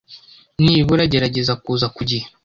Nibura gerageza kuza ku gihe.